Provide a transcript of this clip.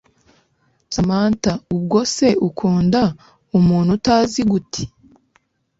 Samantha ubwo se ukunda umuntu utazi gute